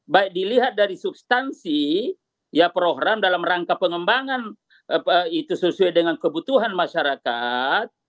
baik dilihat dari substansi program dalam rangka pengembangan itu sesuai dengan kebutuhan masyarakat